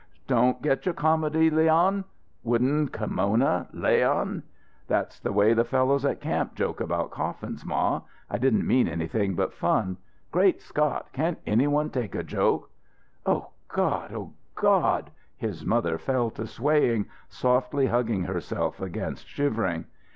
"Don't get your comedy, Leon. "'Wooden kimono' Leon?" "That's the way the fellows at camp joke about coffins, ma. I didn't mean anything but fun. Great Scott can't anyone take a joke?" "O God! O God!" His mother fell to swaying, softly hugging herself against shivering.